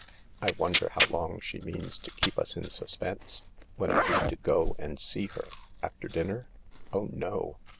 I wonder how long she means to keep us in suspense ? When are we to go and see her ? After dinner ?" "Oh no.